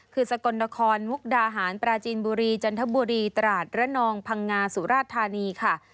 คือสกลนครมุกดาหารปราจีนบุรีจันทบุรีตราดระนองพังงาสุราชธานีค่ะ